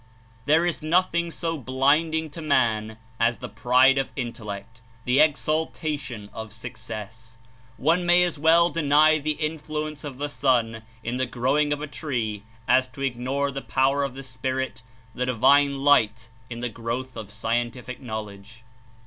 There is nothing so blinding to man as the pride of intellect, the exaltation of success. One may as well deny the influence of the sun in the growing of a tree as to ignore the power of the Spirit, the divine light, in the growth of scientific knowledge.